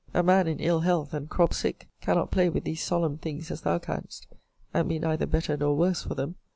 A man in ill health, and crop sick, cannot play with these solemn things as thou canst, and be neither better nor worse for them.